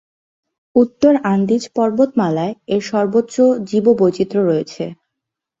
উত্তর আন্দিজ পর্বতমালায় এর সর্বোচ্চ জীববৈচিত্র্য রয়েছে।